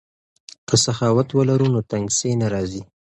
که سخاوت ولرو نو تنګسي نه راځي.